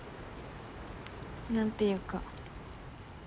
何ていうか。